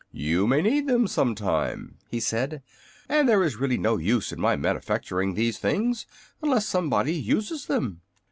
"You may need them, some time," he said, "and there is really no use in my manufacturing these things unless somebody uses them."